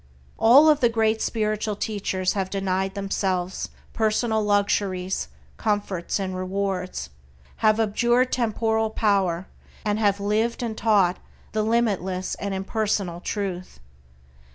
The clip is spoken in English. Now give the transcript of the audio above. All the great spiritual teachers have denied themselves personal luxuries, comforts, and rewards, have abjured temporal power, and have lived and taught the limitless and impersonal Truth.